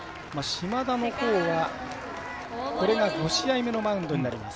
島田のほうはこれが５試合目のマウンドになります。